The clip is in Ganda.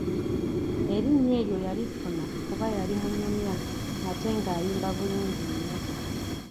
Erinnya eryo yalifuna kuba yali munyumya ate nga ayimba bulungi nnyo.